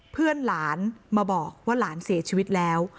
เพื่อนหลานมาบอกว่าหลานเสียชีวิตแล้ว